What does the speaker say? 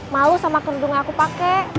malu sama kandung aku pakai